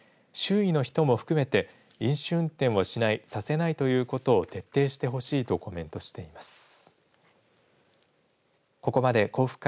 周囲の人も含めて飲酒運転をしないさせないということを徹底してほしいとコメントしています。